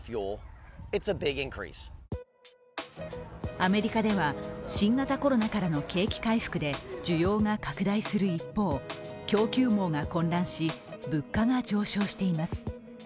アメリカでは新型コロナからの景気回復で需要が拡大する一方、供給網が混乱し、物価が上昇しています。